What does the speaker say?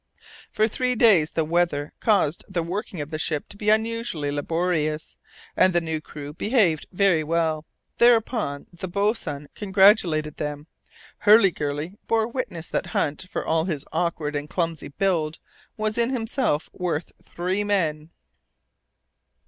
For three days the weather caused the working of the ship to be unusually laborious, and the new crew behaved very well; thereupon the boatswain congratulated them. Hurliguerly bore witness that Hunt, for all his awkward and clumsy build, was in himself worth three men.